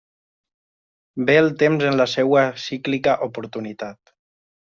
Ve el temps en la seua cíclica oportunitat.